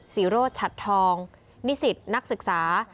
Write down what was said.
ศรีโรธฉัดทองนิสิตนักศึกษา